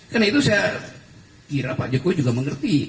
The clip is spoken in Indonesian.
karena itu saya kira pak jokowi juga mengerti